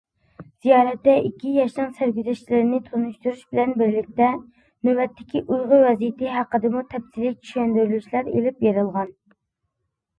زىيارەتتە ئىككى ياشنىڭ سەرگۈزەشتلىرىنى تونۇشتۇرۇش بىلەن بىرلىكتە، نۆۋەتتىكى ئۇيغۇر ۋەزىيىتى ھەققىدىمۇ تەپسىلىي چۈشەندۈرۈشلەر ئېلىپ بېرىلغان.